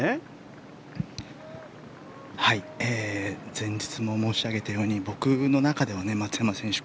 前日も申し上げたように僕の中では松山選手